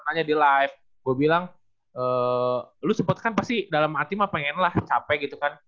nanya di live gue bilang lo sempat kan pasti dalam hati mah pengen lah capek gitu kan